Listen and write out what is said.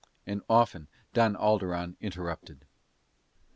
And often Don Alderon interrupted.